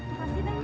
makasih neng ya